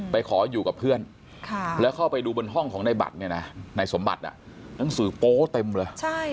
ไปขออยู่กับเพื่อนแล้วเข้าไปดูบนห้องของในบัตรเนี่ยนะในสมบัติหนังสือโป๊เต็มเลย